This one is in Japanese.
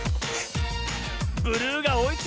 ブルーがおいついてきた。